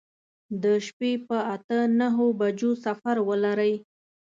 د شپې په اته نهو بجو سفر ولرئ.